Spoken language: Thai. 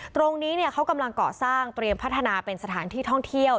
ตรงนี้เขากำลังเกาะสร้างเตรียมพัฒนาเป็นสถานที่ท่องเที่ยว